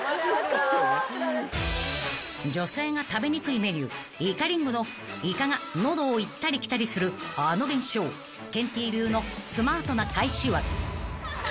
［女性が食べにくいメニューイカリングのイカが喉を行ったり来たりするあの現象ケンティー流のスマートな返しは］